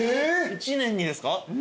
１年にですか？